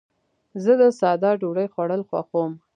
زه د ساده ډوډۍ خوړل خوښوم.